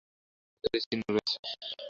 বিড়ালটির গলায় একটা দড়ির চিহ্নও রয়েছে।